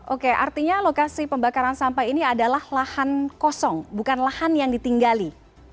oke artinya lokasi pembakaran sampah ini adalah lahan kosong bukan lahan yang ditinggali